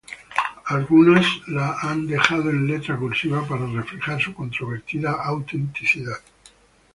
Algunas la han dejado en letra cursiva para reflejar su controvertida autenticidad.